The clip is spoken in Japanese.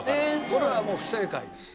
これはもう不正解です。